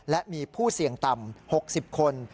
และมีผู้เสี่ยงต่ำ๖๐คน